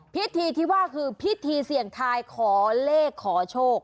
พิธีที่ว่าคือพิธีเสี่ยงทายขอเลขขอโชค